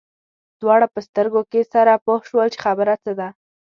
دواړه په سترګو کې سره پوه شول چې خبره څه ده.